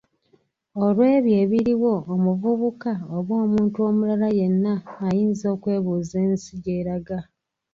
Olwebyo ebiriwo omuvubuka oba omuntu omulala yenna ayinza okwebuuza ensi gyeraga.